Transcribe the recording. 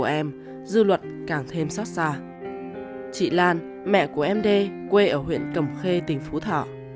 em đê quê ở huyện cầm khê tỉnh phú thỏ